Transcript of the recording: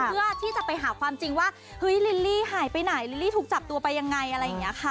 เพื่อที่จะไปหาความจริงว่าเฮ้ยลิลลี่หายไปไหนลิลลี่ถูกจับตัวไปยังไงอะไรอย่างนี้ค่ะ